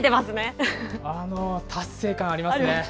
あの、達成感、ありますね。